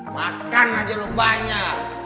makan aja lu banyak